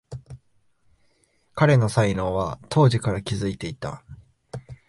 彼の才能は当時から気づいていた